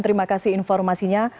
terima kasih informasinya